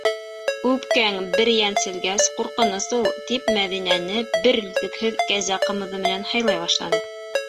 Үпкәң бер йәнселгәс, ҡурҡыныс ул! - тип, Мәҙинәне бер өҙлөкһөҙ кәзә ҡымыҙы менән һыйлай башланы.